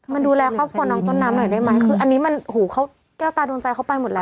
ดูแลครอบครัวน้องต้นน้ำหน่อยได้ไหมคืออันนี้มันหูเขาแก้วตาดวงใจเขาไปหมดแล้ว